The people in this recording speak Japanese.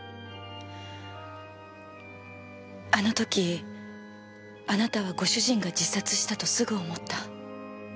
あの時あなたはご主人が自殺したとすぐ思った。